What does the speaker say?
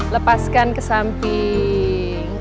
lepaskan ke samping